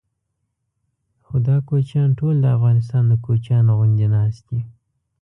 خو دا کوچیان ټول د افغانستان د کوچیانو غوندې ناست دي.